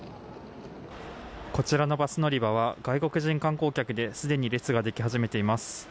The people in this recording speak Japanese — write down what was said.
こちらのバス乗り場は外国人観光客ですでに列ができ始めています。